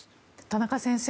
田中先生